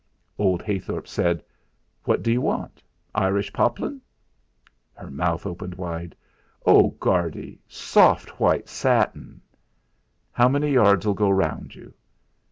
Old Heythorp said: "What do you want? Irish poplin?" Her mouth opened wide: "Oh! Guardy! Soft white satin!" "How many yards'll go round you?"